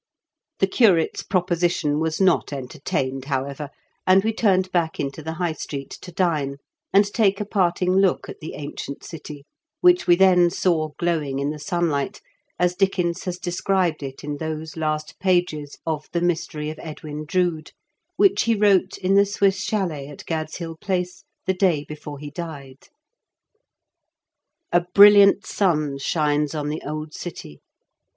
The curate's proposition was not entertained, however, and we turned back into the High Street to dine, and take a parting look at the ancient city, which we then saw glowing in the sun light, as Dickens has described it in those last pages of The Mystery of JEdivin Droody which he wrote in the Swiss chdlet at Gad's Hill Place the day before he died. "A brilliant sun shines on the old city.